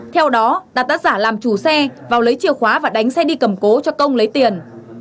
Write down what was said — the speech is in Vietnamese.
theo đó đạt tác giả làm chủ xe vào lấy chìa khóa và đánh xe đi cầm cố cho công lấy tiền